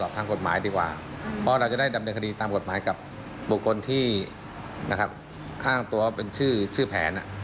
ตามกฎหมายกับบุคคลที่นะครับอ้างตัวเป็นชื่อชื่อแผนอ่ะ